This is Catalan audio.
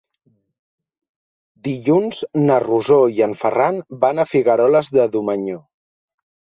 Dilluns na Rosó i en Ferran van a Figueroles de Domenyo.